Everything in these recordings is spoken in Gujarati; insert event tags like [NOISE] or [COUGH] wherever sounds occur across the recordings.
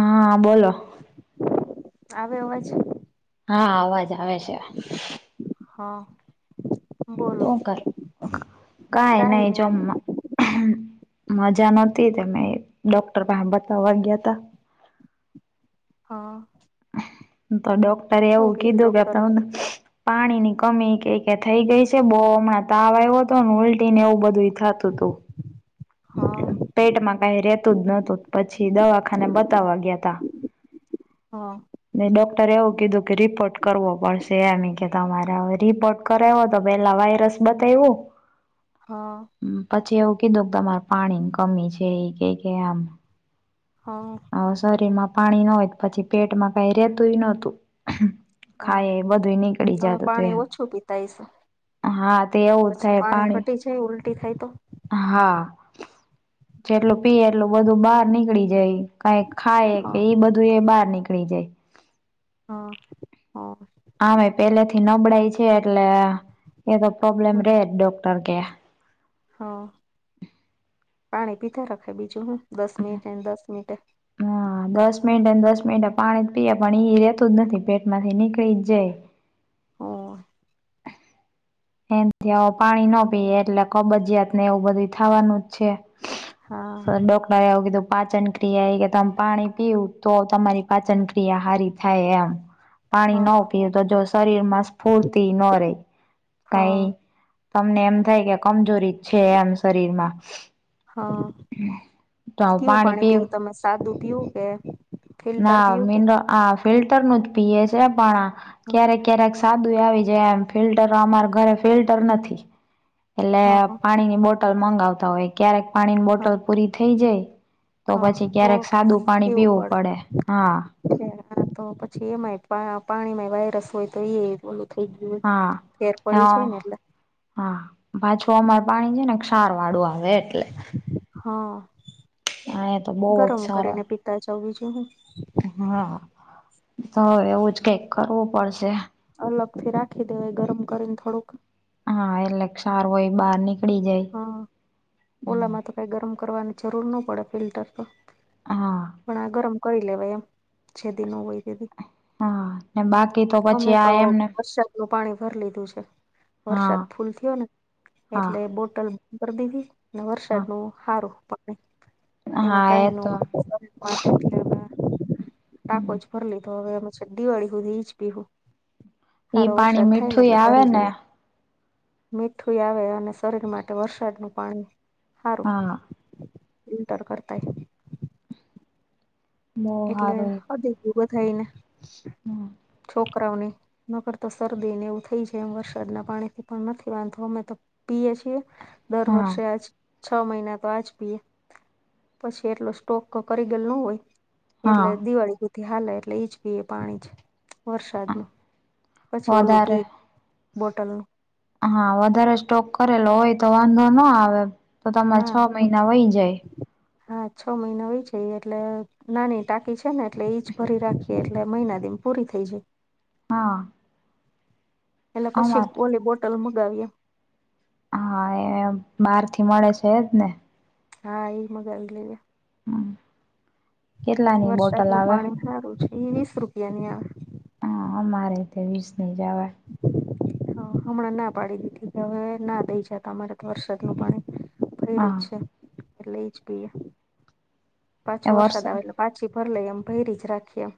આ--બોલો આવ્યો અવાજ? હા અવાજ આવે છે. હ. શું કર કાઈ કઈ નહી આ જમમાં. મજા નતી તે અમે‌ ડોક્ટર પાસે બતાવવા ગ્યાતા. હ. તો ડોક્ટરે એવું કીધું કે ડોક્ટર તમને પાણી ની કમી કે કે થઈ ગઈ છે. બહુ હમણાં તાવ આવ્યો હતો ને ઉલટી ને એવું બધું થાતું તું હા પેટમાં કઈ રે ું જ નોતું પછી દવાખાને બતાવવા ગ્યાતા. હા ને ડોક્ટરે એવું કીધું કે રિપોર્ટ કરવો પડશે એમ કે તમારે હવે રિપોર્ટ કરાવ્યો તો પેલા વાયરસ બતાવ્યું. હા. પછી એવું કીધું કે તમારે પાણી કમી છે એ કે કે આમ હા. શરીર માં પાણી ન હોય પછી પેટમાં કઈ રેતુંય નતું. હા ખાય એ બધું નીકળી તમે જાત પાણી હતું એ. ઓછું પીતા હશો હા તે એવું જ પછી થાય પાણી ઘટી ઉલટી થાય તો. હા જેટલું પીએ એટલું બધું બહાર નીકળી જાય. કઈ ખાય કે હા ઈ બધું એ બહાર નીકળી જાય. ‌ હા હા. હ પેલે થી નબળાઈ છે એટલે એ તો પ્રોબ્લેમ રેજ ડોક્ટર કે. હ પાણી પીધા રખાય બીજું હું દસ મિનિટે દસ મિનટે. હા [INAUDIBLE] દસ મિનિટે દસ મિનિટે પાણી જ પીએ પણ ઈ રેતું જ નથી પેટમાંથી નીકળી જ જાય. હો. એ ત્યાં પાણી ન પીએ એટલે કબજીયાત ને એવું બધું થવાનું જ છે. હા સર ડોકર એુંવુ કીધું પાચન ક્રિયા એ કે તમે પાણી પીવું તો તમારી પાચન ક્રિયા હારી થાય એમ પાણી ન હા પીએ તો જો શરીર માં સ્ફૂર્તિ ન રે હા કઈ તમને એમ થાય કે કમજોરી છે એમ શરીર માં. હા કેવું પાણી પીવું તમે સાદું પીવું કે ફિલ્ટર ના પીવું કે મી્ર આ ફિલ્ટર નું જ પીએ છે પણ આ ક્યારેક ક્યારેક સાદુ આવી જાય એમ ફિલ્ટર અમારા ઘરે ફિલ્ટર નથી. એટલે હા પાણી ની બોટલ મગાવતા હોય ક્યારેક પાણીની હા બોટલ પૂરી થઈ જાય તો હા પછી તો ક્યારેક સાદું પાણી પીવું પડે હા. હા તો પછી એમાંય પાણીમાં વાયરસ હોય તો એ ઓલું થઈ ગયું હોય. હા ફેર હ પડી છે ને એટલે. હા પાછું અમાર પાણી છે ને ક્ષાર વાળું આવે એટલે. હા એ તો બહુ જ ગરમ સારું કરીને પીતા જાવ બીજું હું. હા ઈતો હવે એવું જ કાંઈક કરવું પડશે. અલગથી રાખી દેવાય ગરમ કરીને થોડુંક. હા એટલે ક્ષાર હોય એ બહાર નીકળી જાય. હા ઓલામાં તો કાઈ ગરમ કરવાની જરૂર ન પડે ફિલ્ટર તો. હા પણ આ ગરમ કરી લેવાય એમ જેદી ન હોય તેદી. હા ને [INAUDIBLE] અમે પછી તો આ એમને વરસાદનું પાણી ભર લીધું છે. હા વરસાદ ફૂલ થયો ને. હા એટલે બોટ ટલ ભર દીધી ને હા વરસાદનું હારું તમે હા એમાં એ કાઈ ન તો હોય. [INAUDIBLE] ટાકો જ ભર લીધ તો હવે અમે છેક દીવાળી હુધી ઈજ પીહું. ઈ હારો પાણી વરસાદ થાય ને મીઠું એટલે આવે ભરી ને લઈએ. મીઠું એ આવે અને શરીર માટે વરસાદનું પાણી હારું. હા ફિલ્ટર કરતા એ. બહુ એટલે વદી ગયું બધાય ને. હમ. છોકરાઓને. નકર તો શરદીને એવું થઈ જાય એમ વરસાદના પાણીથી પણ નથી વાંધો અમે તો પીએ છીએ. દર હા વર્ષે આજ છ મહિના તો આજ પીએ. પછી એટલો સ્ટોક તો કરી ગયેલ ન હોય. હા એટલે દિવાળી હુધી હાલે એટલે ઈજ પીએ પાણી જ વરસાદનું. પછી ઓલું વધારે પી બોટલનું. હા વધારે સ્ટોક કરેલો હોય તો વાંધો ના આવે. તો તમારે હા છ મહિના વહી જાય. હા છ મહિના વહી જાય એટલે નાની ટાંકી છે ને એટલે ઈજ ભરી રાખીએ એટલે મહિના દીમાં પૂરી થઈ જાય. હા એટલે પછી અમાર ઓલી બોટલ મગાવીએ. હા એ બહારથી મળે છે એજ ને? હા ઈ મગાવી લઈએ. હમ કેટલાની બોટલ વરસાદનું આવે પાણી સારું છે. ઈ વીસ રૂપિયાની આવે. હા અમારે એ તે વીસ ની જ આવે. હહ હમણાં ના પાડી દીધી કે હવે ના દઈ જાતા. અમારે તો વરસાદનું પાણી ભયરું હા જ છે. એટલે ઈજ પીએ. પાછો વરસાદ આવે એટલે પાછી ભર લઈ અમ ભયરી જ રાખીએ.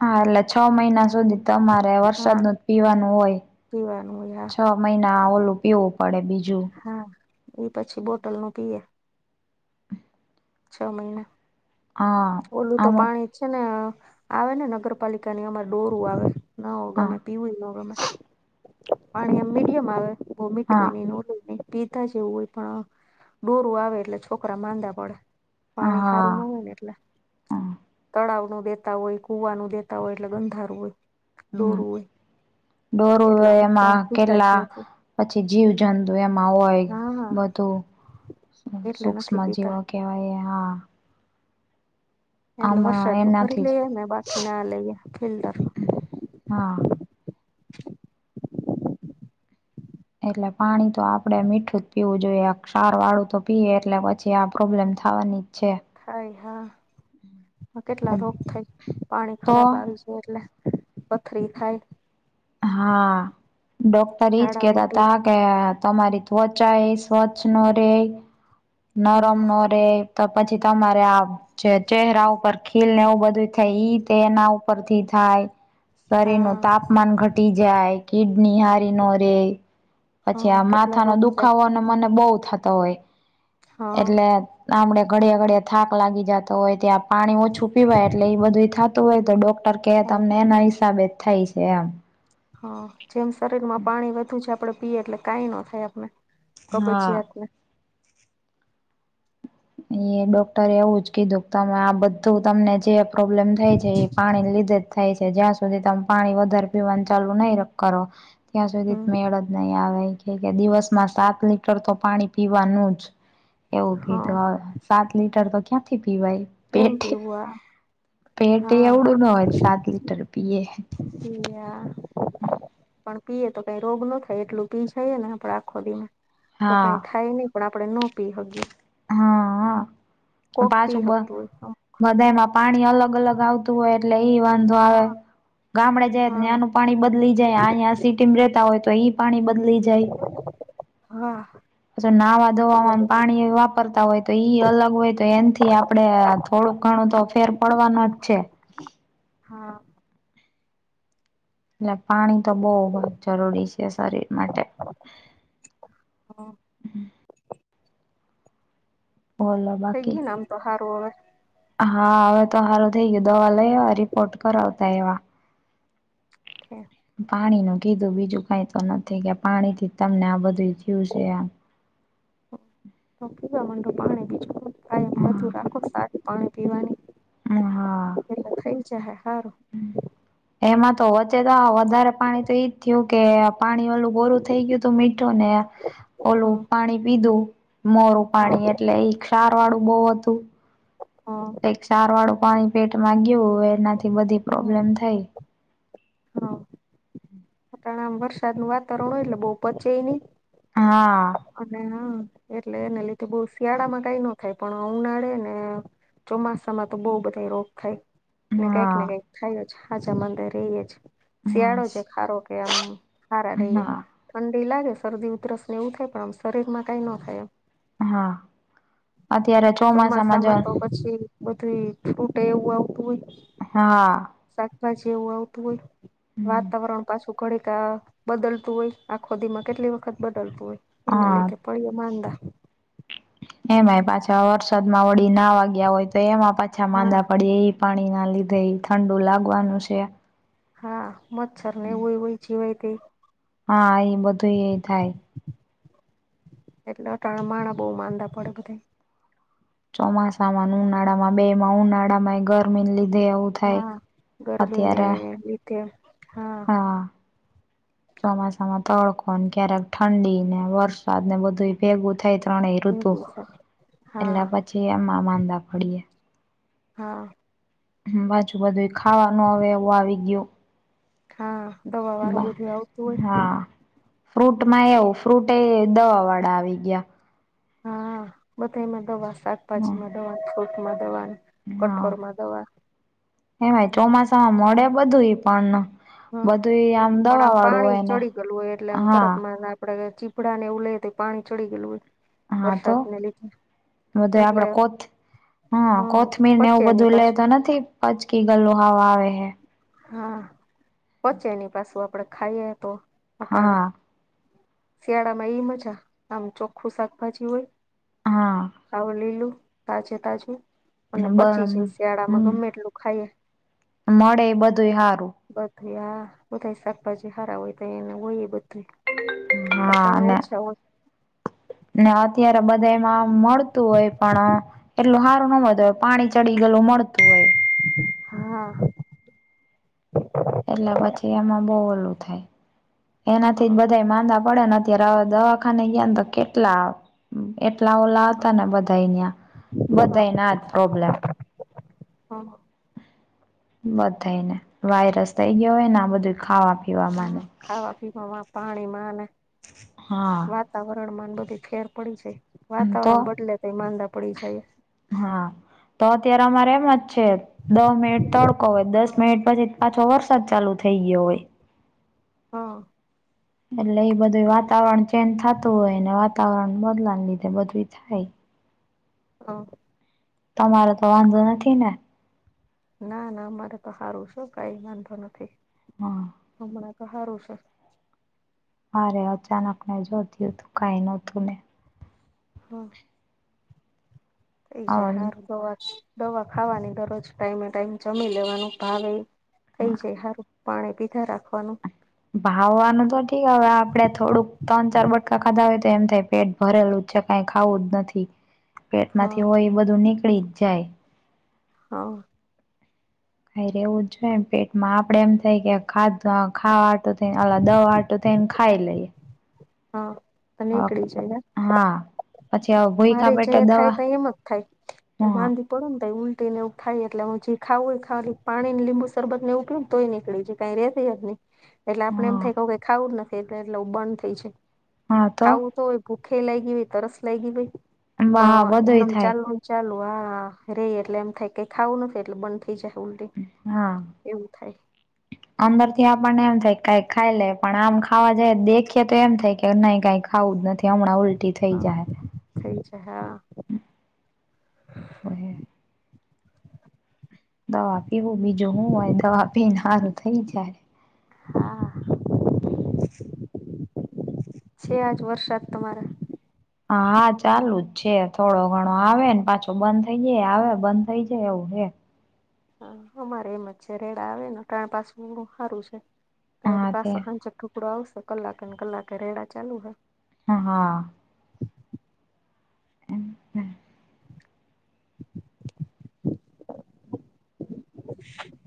હા એટલે છ મહિના સુધી તમારે હા વરસાદનું જ પીવાનું હોય. પીવાનું હોય હા. છ મહિના ઓલું પીવું પડે બીજું. હા ઈ પછી બોટલનું પીએ. છ મહિના. હા ઓલું તો આમ પાણી છે ને આવે ને નગરપાલિકાની અમાર ડોરું આવે. નાહો હા ગમે પીવું એ નો ગમે. પાણી આમ મીડિયમ આવે બહુ મીઠુંએ હા નહીં ને ઓલું એ નહીં. પીધા જેવું હોય પણ ડોરું આવે એટલે છોકરા માંદા પડે. પાણી હારું ન હા હોય ને એટલે. હમ તળાવનું દેતા હોય, કુવાનું દેતા હોય, એટલે ગંધારું હોય, ડોરું હોય. ડોરું એટલે હોય અમે તો એમાં પીતા જ કેટલા નથી પછી જીવ જંતુ એમાં હોય હા હા બધું એટલે સૂક્ષ્મ નથી પીતા જીવક કહેવાય હા એટલે આમાં વરસાદમાં ભરી એનાથી જ લઈએ ને બાકી ના લઈએ ફિલ્ટર હા એટલે પાણી તો આપડે મીઠું જ પીવું જોઈએ આ ક્ષાર વાળું તો પીએ એટલે પછી આ પ્રોબ્લેમ થવાની જ છે થાય હા કેટલા રોગ થાય પાણી તો ખરાબ આવી એટલે પથરી થાય હા ડોક્ટર ઈ જ ઝાડા કેતા ઉલટી હતા કે તમારી ત્વચા એ સ્વચ્છ ન રે નરમ હા ન રે તો પછી તમારે આ જે ચેહેરા ઉપર ખીલ ને એવું બધું થઈ તે એના ઉપરથી થાય હા શરીરનુતાપમાન ઘટ જાય કિડની હારી ન રે પછી હા આ કેટલા માથા ન રોગ થાય દુખાવો મને બહી થતો હોય હા એટલે આપડે ઘડિયા ઘડિયા થાક લાગી જતો હોય ત્યાં પાણી ઓછું પીવાય એટલે એ બધું થતું એ હોય તો ડોક્ટર કહે તમને થાય એના હિસાબે થાય છે એમ હા જેમ શરીર માં પાણી વધુ છે આપડે પીએ એટલે કંઈ ન થાય આપને હા કબજીયાતને એ ડોક્ટર એવું જ કીધું કે તમે આ બધું તમને જે પ્રોબ્લેમ થાય જાય એ પાણી લીધે જ થાય છે જ્યાં સુધી તમે પાણી વધારે પીવાનું ચાલુ નહી કરો ત્યાં સુધી હમ મે નહી આવે કે કે દિવસમાં સાત લીટર તો પાણી પીવાનું જ એવું કીધુ હા સાત લીટર તો ક્યાંથી પીવાય કેમ પેટ પીવું આ પેટ હા એવડું ના હોય સાત લીટર પીએ, અયા હમ્મ પણ પીએ તો કઈ રોગ ન થાય એટલું પી જઈએ ને આપડે આખો દી મે તો હા કઈ થાય નહીં પણ આપણે ન પી હગિયે હા કોક પી હક તું હોય. બધાય માં પાણી અલગ અલગ આવતું હોય. એટલે ઈ વાંધો આવે. હા ગામડે જાય ને હા આનું પાણી બદલી જાય અહીં સિટી માં રેતા હોય તો એ પાણી બદલી જાય. હા. નાહવા અલગ ધોવામાં અલગ પાણી વાપરતા હોય તો ઈ અલગ હોય તો એનથી આપડે, થોડું ઘણું તો ફેર પડવા નું જ છે. હા. ને પાણી તો બહુ જરૂરી છે શરીર માટે. હા. બોલો થઈ બાકી ગયુ ને આમ તો હારું અવે. હા હવે તો હારુ થઇ ગયું દવા લઈ રિપોર્ટ કરાવતા એવા. છે. પાણી નો કીધું બીજું કઈ તો નથી કે પાણીથી તમને આ બધું જયું છે આમ. તો પીવા મડો પાણી બીજું હું [UNINTELLIGIBLE] રાખો સાર પાણી પીવાની એમ હા ખાઈ જાય સારો એમાં તો વચ્ચે તો વધારે પાણી તો એઈજ થયું કે પાણી વાલું બોરું થઈ ગયું તું મીઠું ને ઓલું હા પાણી પીધું મોરું પાણી એટલે એ ક્ષાર વાળું બહુ હતું. હા. કઈક સાર વાળું પાણી પેટમાં ગયું એનાથી બધી હમ પ્રોબ્લેમ થાય. હા. આપણે આમ વરસાદ નું વાતાવરણ હોય એટલે બહુ પચે એ નહીં. હા. અને હા એટલે એને લીધે બહુ શિયાળા માં કઈ ન થાય પણ ઉનાળે ને ચોમાસા માં તો બહુ બધે રોગ થાય. ને કઈક ને હા કઈક થાય જ છે હાજામાદા રહીય જ શિયાળો છે. હા હારો કે આમ હારા રહીએ. હા ઠંડી લાગે શરદી ઉધરસ ને એવું થાય પણ આમ શરીરમાં કઈ ન થાય એમ. હા અત્યારે ચોમાસા ચોમાસામાં જો માં તો પછી બધું છૂટે એવું આવતું હોય. હા. શાકભાજી એવું આવતું હોય તો વાતાવરણ ઘડીકમાં બદલતું હોય આખોદી માં કેટલી વખત બદલતું હોય એને હા લીધે પડીએ માંંદા. એમાંય પાછા વરસાદમાં વળી નાવાગ્યા હોય તો એમાં પાછા હા માંદા પડે એ પાણી ના લીધે એ ઠંડુ લાગવાનું છે. હા મચ્છર ને એવુંવય જીવાય તે. હા એ બધું એ થાય. એટલે [UNINTELLIGIBLE] માહણા બહુ માંદા પડે બધા એ. ચોમાસા માંના ઉનાળા માં બે માં ઉનાળામાં ઘર જમીન લીધે એવું થાય હા ગરમીને અત્યારે. [UNINTELLIGIBLE] હા ચોમાસામાં તડકો ક્યારેક ઠંડી ને વરસાદ ને બધુંય ભેગું થઈ ત્રણે ઋતુ હા એટલે પછી એમાં માંદા પડીએ હા પાછું બધું ખાવાનું હવે એવું આવી ગયું હા દવા વારું બધું આવતું હોય ને ફ્રૂટ માં એવું ફ્રૂટ એ દવા વાળા આવી ગયા હા બધા ય માં દવા શાકભાજીમાં દવા ફ્રૂટમાં દવાનું હા કઠોદમાં દવા એમાંય ચોમાસામાં મળે બધુંય પણ હા બધું પણ આમ દવા વાળું પાણી હોય ને ચડી ગયેલું હોય એટલે આમ તરત હા માદા ના આપડે ચીભડા ને ઉ લેઈ તો પાણી ચડી ગયલું હોય હા તો વરસાદને લીધે એટલે આપડા કોથ હા કોથમીરને એવું પચે ની બધું લેતો પાછું નથી પચકી ગયેલું હાવ આવે હે હા પચે ની પાછું આપડે ખાઈએ તો અટાણે હા શિયાળામાં ઈ મજા આમ ચોખ્ખું શાકભાજી હોય હા હાવ લીલું તાજે તાજું અને પચી જાય શિયાળામાં ગમે એટલું ખાઈએ મળેય બધું હારુ બધું આ બધા શાકભાજી હારા હોય તો એને હોય એ બધું હા અટાને ને ઓછા હોય ને અત્યારે બધાયમાં મળતું હોય પણ એટલું સારું ન હોય પાણી ચડી ગયેલું મળતું હોય હા એટલે પછી એમાં બહુ ઓલું થાય એનાથી જ હા બધાય માંદા પડે ને અત્યારે આવા દવાખાને ગયા ને તો કેટલા એટલા ઓ આવતા ને બધા નયા હા બધાય ને આજ પ્રોબ્લેમ હા બધાય ને વાયરસ થઈ ગયો હોય ને આ બધું ખાવા હા પીવામાંને ખાવા પીવા પાણીમાં ને- હા વાતાવરણ માં બધે ફેર પડી જાય ને તો વાતાવરણ બદલે ત ઈ માંદા પડી જાય- હા તો અત્યારે અમારે એમ જ છે. દહ મિનિટ તડકો હોય દસ મિનિટ પછી પાછો વરસાદ ચાલુ થઈ ગયો હોય- હા- એટલે એ બધું વાતાવરણ ચેન્જ થતું હોય ને વાતાવરણ બદલાને લીધે બધું થાય- હા તમારે તો વાંધો નથી ને- ના ના અમારે તો સારું છે કઈ વાંધો નથી- હા આપણે તો સારું છે. મારે અચાનક ને જોઈ કઈ નહોતું ને- હા એ જ હાર દવા દવા ખાવાની દરરોજ ટાઈમે ટાઈમ જમી લેવાનું ભાવે ઈ- થઈ જાય સારું પાણી પીધા રાખવાનું- ભાવવાનું તો ઠીક હવે આપડે થોડુંક ત્રણ ચાર બટકા ખાધા હોય તો એમ થાય પેટ- ભરેલું છે કઈ ખાવું જ નથી હા પેટમાંથી હોય એ બધું નીકળી જ જાય- હા- હા રેવું જ જોઈએ ને પેટમાં આપડે એમ થાય કે ખાધુ- ખાવા વાટો થ અ દવા વાટો થ ને, ખાઈ લઈએ. હા હા તનેકડી જાય- હા- પછી હવે ભૂયખા મારે જ પેટે ખાય દવા તે એમ જ થાય. હું હા માંદી પડું ને ઉલટી નેવું થાય, એટલે હું ખાવું હોય ખાલી પાણી લીંબુ શરબત ને પીવું નેતો નીકળી જાય. કાંઇ રહ્યા છે, આપને એટલે આપડે એમ હા થાઇ કાંઈ કે ખાવું જ નથી, એટલે બંધ થઈ છે, ખાવું તો હોય. ભુખે લાગી હોય, તરસ લાગી હોય. હા પણ બધુંય એમનમ થાય ચાલુ- ચાલુ હારેય એટલે એમ થાય કંઈ ખાવું નથી, એટલે બંધ થઈ. થઈ જાય ઉલટી હા એવું થાય. અંદરથી આપણને એમ થાય કંઈ ખાઈલે પણ આમ ખાવા જાય દેખીએ તો એમ થાય કે નહી કંઈક- ખાવું જ નથી હમણાં ઉલટી થઈ હા જાહે. થઈ જાય હા હોય. [INAUDIBLE] દવા પીવું બીજું હું હોય દવા પીને સારું થઈ જ્યા હે. હા, હ [INAUDIBLE] છે, આજ વરસાદ તમારે. હા ચાલુ જ છે, થોડો ઘણો આવેને પાછો બંધ થઈ જાય આવે બંધ થઈ જાય એવું હે. હા અમારે એમજ છે, રેડા આવેને પાસું સારું છે. તમારી હા તે પાસે સાંજેક ધુકડો આવશે કલાકેને કલાકે રેડા ચાલુ હે. હા હા હું, હું, [INAUDIBLE] [UNINTELLIGIBLE] [INAUDIBLE]